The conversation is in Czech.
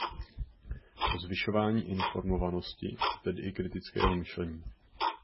O zvyšování informovanosti a tedy i kritického myšlení!